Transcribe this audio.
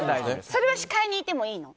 それは視界にいてもいいの？